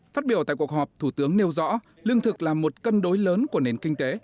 phát biểu tại cuộc họp thủ tướng nêu rõ lương thực là một cân đối lớn của nền kinh tế